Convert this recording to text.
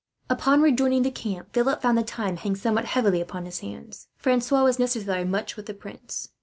Upon rejoining the camp, Philip found the time hang somewhat heavily upon his hands. Francois was necessarily much with the prince.